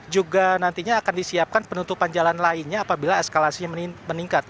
juga nantinya akan disiapkan penutupan jalan lainnya apabila eskalasinya meningkat